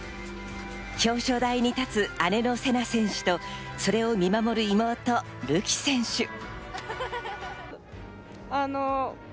表彰台に立つ姉のせな選手とそれを見守る妹・るき選手。